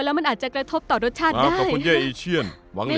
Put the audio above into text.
แล้วมันอาจจะกระทบต่อรสชาติได้ขอบคุณเย่ออีเชี่ยนหวังหิน